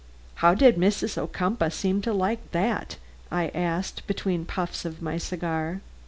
"How did Mrs. Ocumpaugh seem to like that?" I asked between puffs of my cigar.